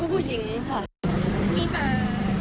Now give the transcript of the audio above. ไม่รู้ผู้หญิงมีแฟนด้วย